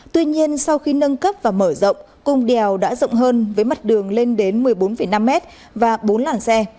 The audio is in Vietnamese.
tuy nhiên sau khi nâng cấp và mở rộng cung đèo đã rộng hơn với mặt đường lên đến một mươi bốn năm mét và bốn làn xe